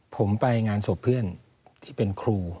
ผมไปงานศพเพื่อนที่เป็นครู